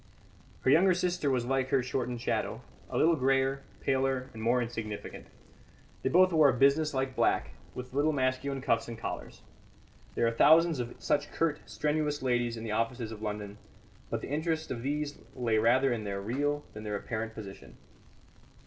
Her younger sister was like her shortened shadow, a little greyer, paler, and more insignificant. They both wore a business like black, with little masculine cuffs and collars. There are thousands of such curt, strenuous ladies in the offices of London, but the interest of these lay rather in their real than their apparent position.